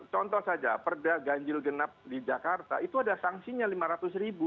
contoh saja perda ganjil genap di jakarta itu ada sanksinya lima ratus ribu